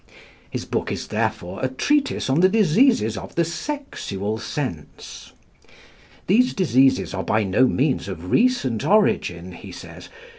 His book is therefore a treatise on the diseases of the sexual sense. These diseases are by no means of recent origin, he says.